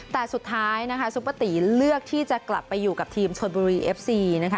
แต่สุดท้ายซุปติเลือกที่จะกลับไปอยู่กับทีมชนบุรีเอฟซี